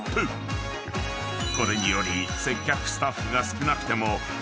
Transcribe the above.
［これにより］